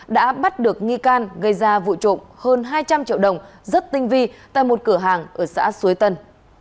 đã bắt được nghi can gây ra vụ trộm hơn hai trăm linh triệu đồng rất tinh vi tại một cửa hàng ở xã suối tân